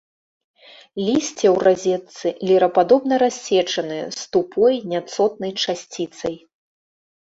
Лісце ў разетцы, лірападобна-рассечанае, з тупой няцотнай часціцай.